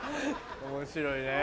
面白いねぇ。